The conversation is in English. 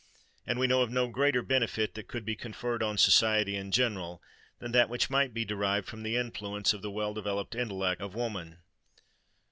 And we know of no greater benefit that could be conferred on society in general, than that which might be derived from the influence of the well developed intellect of woman.